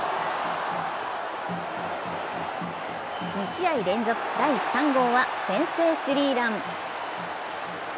２試合連続、第３号は先制スリーラン。